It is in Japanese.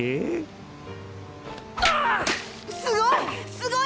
すごい！